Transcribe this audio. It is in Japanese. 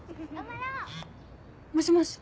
もしもし。